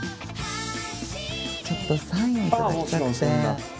ちょっとサイン頂きたくて。